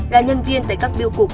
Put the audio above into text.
là nhân viên tại các biêu cục